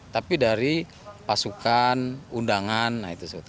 tapi dari pasukan undangan nah itu